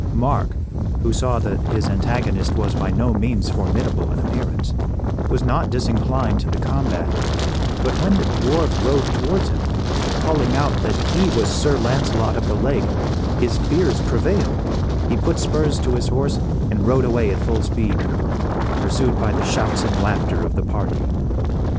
Mark, who saw that his antagonist was by no means formidable in appearance, was not disinclined to the combat; but when the dwarf rode towards him, calling out that he was Sir Launcelot of the Lake, his fears prevailed, he put spurs to his horse, and rode away at full speed, pursued by the shouts and laughter of the party.